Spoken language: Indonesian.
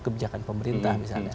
kebijakan pemerintah misalnya